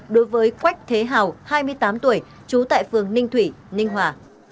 đối với quách thế hào hai mươi tám tuổi trú tại phường ninh thủy ninh hòa